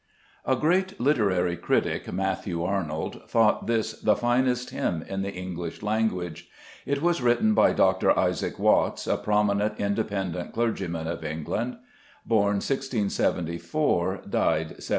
A great literary critic (Matthew Arnold) thought this the finest hymn in the English language. It was written by Dr. Isaac Watts, a prominent Independent clergyman of England; born 1674, died 174S.